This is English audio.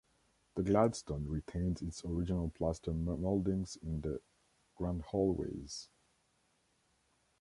The Gladstone retains its original plaster mouldings in the grand hallways.